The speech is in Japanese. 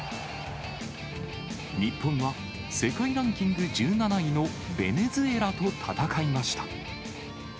日本は、世界ランキング１７位のベネズエラと戦いました。